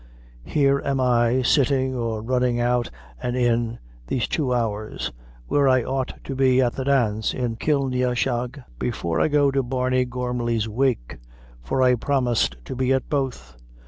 Here am I, sittin', or running out an' in, these two hours, when I ought to be at the dance in Kilnahushogue, before I go to Barny Gormly's wake; for I promised to be at both.